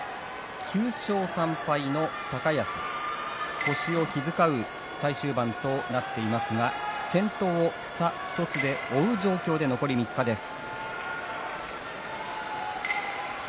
９勝３敗の高安腰を気付かう最終盤となっていますが先頭差１つで追う状況で残り３日です。